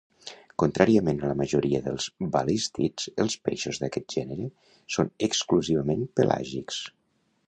Contràriament a la majoria dels balístids, els peixos d'aquest gènere són exclusivament pelàgics.